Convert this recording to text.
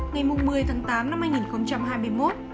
ngày một mươi tháng tám năm hai nghìn hai mươi một